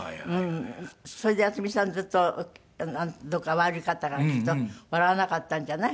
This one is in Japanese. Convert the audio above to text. それで渥美さんずっとどこか悪かったからきっと笑わなかったんじゃない。